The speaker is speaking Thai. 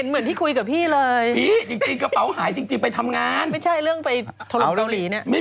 ไม่คุณเอาทำไม